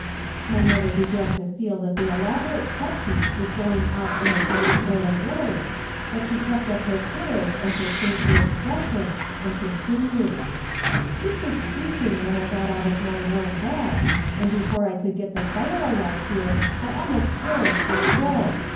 "My mother began to feel that the elaborate set piece was going off in a damp sort of way, but she kept up her courage and her saintly expression and continued, "'It was freezing when I got out of my warm bed, and before I could get the fire alight here I almost perished with cold.